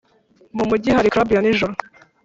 mu mujyi hari club ya nijoro?